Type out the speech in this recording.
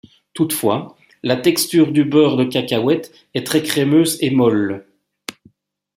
Toutefois, la texture du beurre de cacahuètes est très crémeuse et molle.